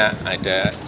ada sudah berkeluarga